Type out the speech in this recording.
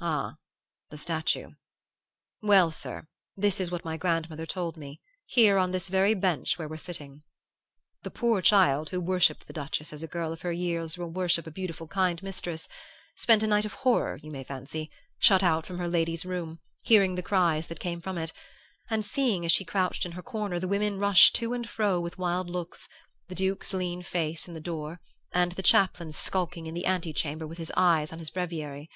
"Ah, the statue. Well, sir, this is what my grandmother told me, here on this very bench where we're sitting. The poor child, who worshipped the Duchess as a girl of her years will worship a beautiful kind mistress, spent a night of horror, you may fancy, shut out from her lady's room, hearing the cries that came from it, and seeing, as she crouched in her corner, the women rush to and fro with wild looks, the Duke's lean face in the door, and the chaplain skulking in the antechamber with his eyes on his breviary.